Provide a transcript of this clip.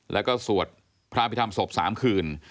แล้วก็สวดพระพิธรรมศพ๓คืน